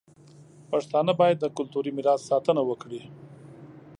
پښتانه باید د کلتوري میراث ساتنه وکړي.